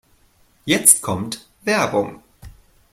Jetzt kommt Werbung.